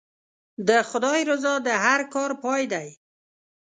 د خدای رضا د هر کار پای دی.